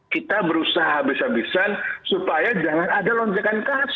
kita berusaha habis habisan supaya jangan ada lonjakan kasus